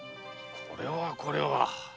これはこれは。